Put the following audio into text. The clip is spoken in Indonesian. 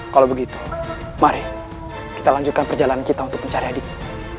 kalau begitu mari kita lanjutkan perjalanan kita untuk mencari adiknya